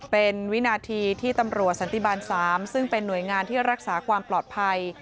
เป็นวินาทีที่ตำรวจสันติบาล๓ซึ่งเป็นหน่วยงานที่รักษาความปลอดภัย